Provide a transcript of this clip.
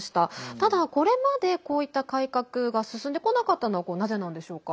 ただ、これまでこういった改革が進んでこなかったのはなぜなんでしょうか。